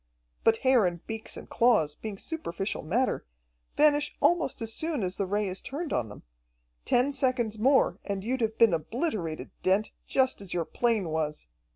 But hair and beaks and claws, being superficial matter, vanish almost as soon as the Ray is turned on them. Ten seconds more, and you'd have been obliterated, Dent, just as your plane was.